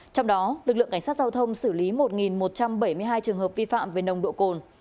trong đó lực lượng cảnh sát giao thông xử lý một một trăm bảy mươi hai trường hợp vi phạm về nồng độ cồn